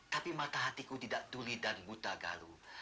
tapi mata hatiku tidak tuli dan buta galu